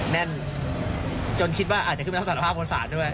แน่นจนคิดว่าอาจจะขึ้นไปรับสารภาพบนศาลด้วย